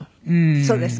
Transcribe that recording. そうですか？